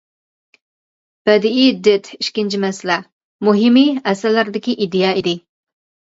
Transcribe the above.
بەدىئىي دىت ئىككىنچى مەسىلە، مۇھىمى ئەسەرلەردىكى ئىدىيە ئىدى.